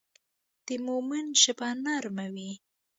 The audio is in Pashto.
د مؤمن ژبه نرم وي.